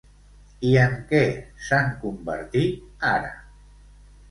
I en què s'han convertit ara?